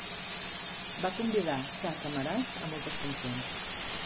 Va convidar K. Kamaraj a moltes funcions.